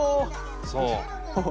そう。